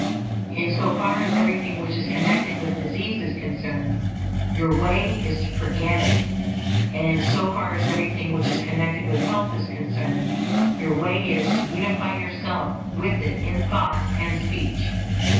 In so far as everything which is connected with disease is concerned, your way is to forget it; and in so far as everything which is connected with health is concerned, your way is to unify yourself with it in thought and speech.